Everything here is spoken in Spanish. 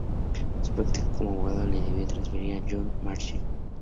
Su práctica como abogado la debió transferir a John Marshall.